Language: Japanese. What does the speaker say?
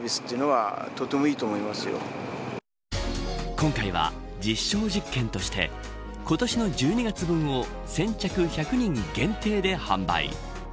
今回は実証実験として今年の１２月分を先着１００人限定で販売。